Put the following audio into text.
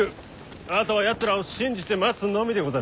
あとはやつらを信じて待つのみでござる。